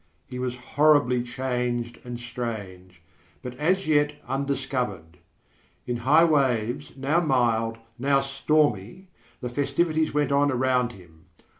He was horribly changed and strange, but as yet undiscovered. In high waves, now mild, now stormy, the festivities went on around him.